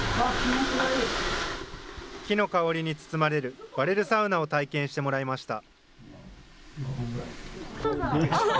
木の香りに包まれるバレルサウナを体験してもらいました。